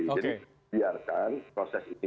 jadi biarkan proses ini